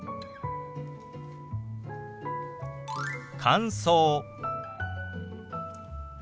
「乾燥」。